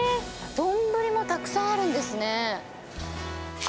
丼もたくさんあるんですね。